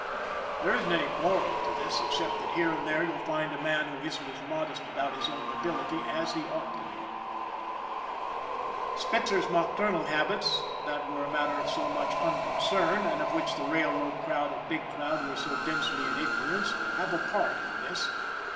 There isn't any moral to this except 82 ON THE IRON AT BIG CLOUD that here and there you'll find a man who isn't as. modest about his own ability as he ought to be ! Spitzer's nocturnal habits, that were a matter of so much unconcern and of which the railroad crowd at Big Cloud were so densely in ignorance, have a part in this.